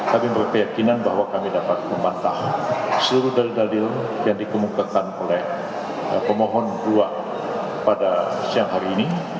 kami berkeyakinan bahwa kami dapat membantah seluruh dalil dalil yang dikemukakan oleh pemohon dua pada siang hari ini